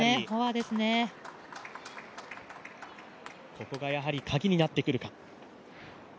ここがやはりカギになってくるか。